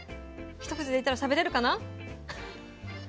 一口でいったらしゃべれるかな？